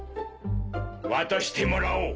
渡してもらおう。